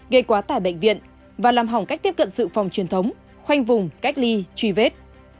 gây quá tải bệnh viện và làm hỏng cách tiếp cận sự phòng truyền thống khoanh vùng cách ly truy vết